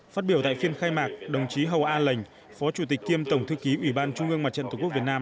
phát biểu tại phiên khai mạc đồng chí hầu a lệnh phó chủ tịch kiêm tổng thư ký ủy ban trung ương mặt trận tổ quốc việt nam